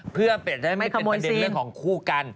เพื่อเป็นได้ไม่เป็นประเด็นเรื่องของคู่กัน